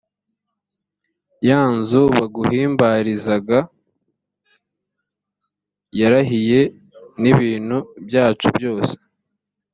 ya nzu baguhimbarizaga yarahiye n’ibintu byacu byose